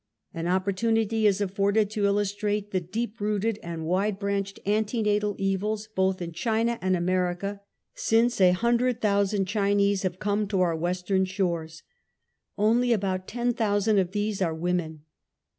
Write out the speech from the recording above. An opportunity is afibrded to illustrate the deep rooted, and wide branched antenatal evils both in China and America, since a hundred thousand Chinese have come to our Western shores. Only about ten thousand of these are women.